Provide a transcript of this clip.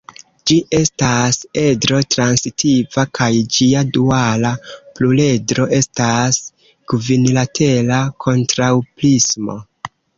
Ĝi estas edro-transitiva kaj ĝia duala pluredro estas kvinlatera kontraŭprismo.